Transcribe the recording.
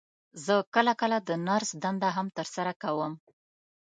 زه کله کله د نرس دنده هم تر سره کوم.